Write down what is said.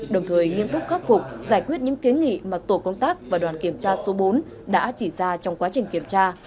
đồng thời nghiêm túc khắc phục giải quyết những kiến nghị mà tổ công tác và đoàn kiểm tra số bốn đã chỉ ra trong quá trình kiểm tra